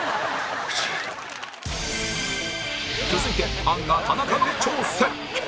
続いてアンガ田中の挑戦